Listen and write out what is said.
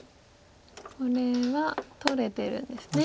これは取れてるんですね。